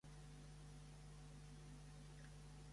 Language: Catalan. Sí, sí, vine per favor.